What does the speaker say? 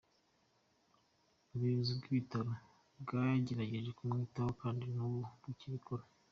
Ubuyobozi bw’ibitaro bwagerageje kumwitaho kandi n’ubu bukibikora.